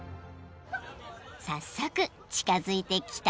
［早速近づいてきたのは］